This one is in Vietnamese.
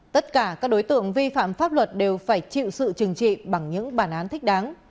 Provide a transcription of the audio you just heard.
tất cả các đối tượng vi phạm pháp luật đều phải chịu sự trừng trị bằng những bản án thích đáng